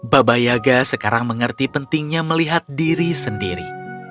baba yaga sekarang mengerti pentingnya melihat diri sendiri